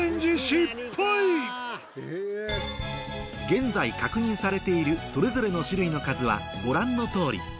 ａｋａｎｅ現在確認されているそれぞれの種類の数はご覧の通り